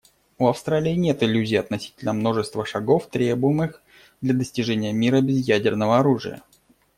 У Австралии нет иллюзий относительно множества шагов, требуемых для достижения мира без ядерного оружия.